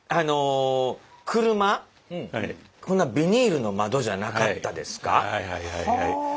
こんなビニールの窓じゃなかったですか。